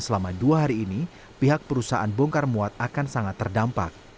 selama dua hari ini pihak perusahaan bongkar muat akan sangat terdampak